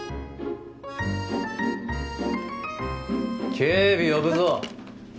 警備呼ぶぞ！